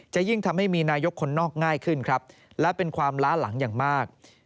จะยิ่งทำให้มีนายกคนนอกง่ายขึ้นครับและเป็นความล้าหลังอย่างมาก